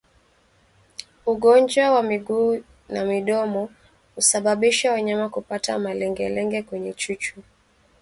Ugonjwa wa miguu na midomo husababisa wanyama kupata malengelenge kwenye chuchu